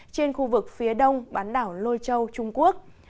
trên khu vực phía đông bán đảo lôi châu trung quốc